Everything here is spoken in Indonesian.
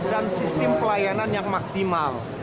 dan sistem pelayanan yang maksimal